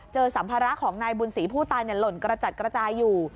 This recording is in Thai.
สัมภาระของนายบุญศรีผู้ตายหล่นกระจัดกระจายอยู่